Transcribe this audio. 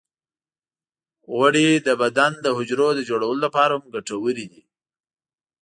غوړې د بدن د حجرو د جوړولو لپاره هم ګټورې دي.